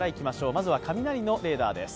まずは雷のレーダーです。